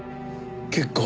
結構。